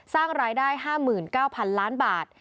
สร้างรายได้๕๙๐๐๐ล้านบาท